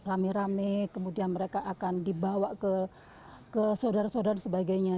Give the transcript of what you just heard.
rame rame kemudian mereka akan dibawa ke saudara saudara dan sebagainya